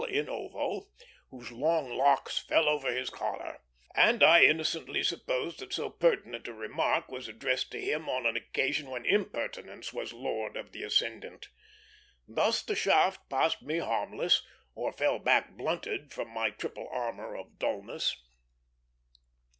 in ovo, whose long locks fell over his collar, and I innocently supposed that so pertinent a remark was addressed to him on an occasion when _im_pertinence was lord of the ascendant. Thus the shaft passed me harmless, or fell back blunted from my triple armor of dulness.